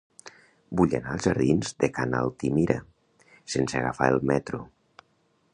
Vull anar als jardins de Ca n'Altimira sense agafar el metro.